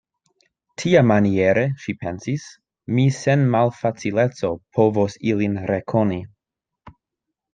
Tiamaniere, ŝi pensis, mi sen malfacileco povos ilin rekoni.